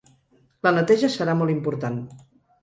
La neteja serà molt important.